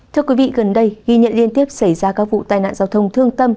thưa quý vị gần đây ghi nhận liên tiếp xảy ra các vụ tai nạn giao thông thương tâm